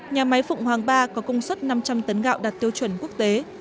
nhà máy phụng hoàng ba có công suất năm trăm linh tấn gạo đạt tiêu chuẩn quốc tế